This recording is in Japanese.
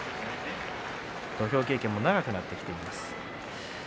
土俵経験も長くなってきています。